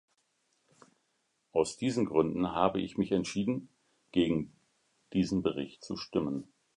Aus diesen Gründen habe ich mich entschieden, gegen diesen Bericht zu stimmen.